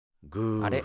あれ？